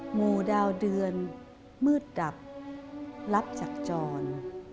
งูดาวเดือนมืดดับรับจากจร